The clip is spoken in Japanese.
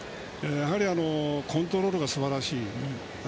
やはりコントロールがすばらしい。